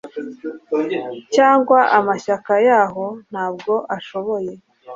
cyangwa amashyaka yahoo ntabwo ashoboye